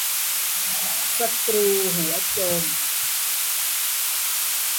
สกรูหัวจม